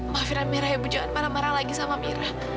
maafin amirah ya bu jangan marah marah lagi sama amirah